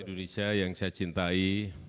indonesia yang saya cintai